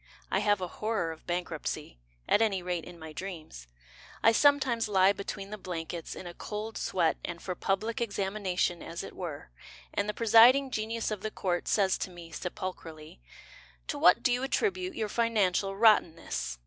I have a horror of bankruptcy, At any rate in my dreams. I sometimes lie Between the blankets In a cold sweat And for public examination as it were, And the presiding genius of the court Says to me, sepulchrally, "To what do you attribute your financial rottenness?"